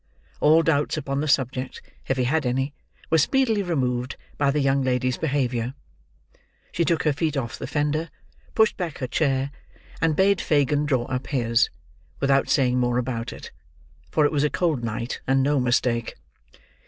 All doubts upon the subject, if he had any, were speedily removed by the young lady's behaviour. She took her feet off the fender, pushed back her chair, and bade Fagin draw up his, without saying more about it: for it was a cold night, and no mistake.